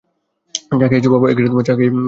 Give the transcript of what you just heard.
চা খেয়েছ, বাবা?